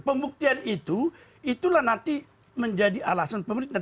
pembuktian itu itulah nanti menjadi alasan pemerintah